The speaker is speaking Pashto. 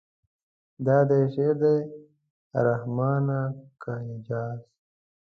دا دې شعر دی رحمانه که اعجاز.